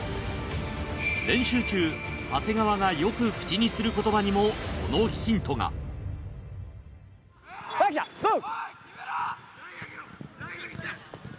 練習中長谷川がよく口にする言葉にもそのヒントがほら来たゴー！